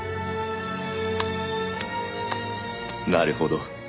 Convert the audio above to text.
なるほど。